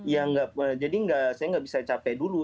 ya jadi gak bisa capek dulu